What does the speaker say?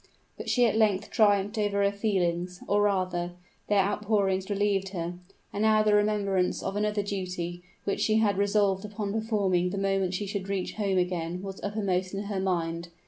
But she at length triumphed over her feelings, or rather, their outpourings relieved her; and now the remembrance of another duty which she had resolved upon performing the moment she should reach home again was uppermost in her mind.